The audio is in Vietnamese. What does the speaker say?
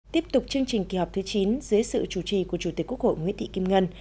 tiếp tục chương trình kỳ họp thứ chín dưới sự chủ trì của chủ tịch quốc hội nguyễn thị kim ngân